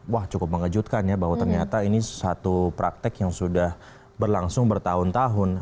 wah cukup mengejutkan ya bahwa ternyata ini satu praktek yang sudah berlangsung bertahun tahun